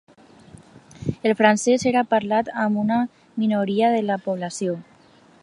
El francès era parlat per una minoria de la població.